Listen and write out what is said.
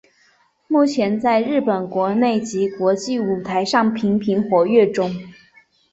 目前在日本国内以及国际舞台上频繁活跃中。